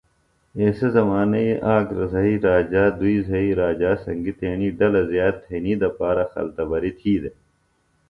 ایسےۡ زمانئی ایک زھئی راجا دُئی زھئی راجا سنگیۡ تیݨی ڈلہ زیات تھئنی دپارہ خلتبریۡ تھی دےۡ